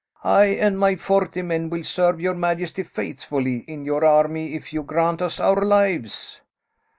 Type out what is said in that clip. "I and my forty men will serve your majesty faithfully in your army if you grant us our lives."